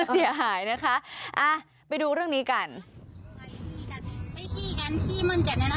ข้อที่ข้างล่างไหลไปได้ค่ะต้องคี่มันเจ็ดให้มันไหลลงมา